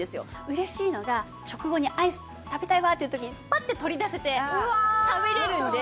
嬉しいのが食後にアイス食べたいわっていう時にパッて取り出せて食べられるので。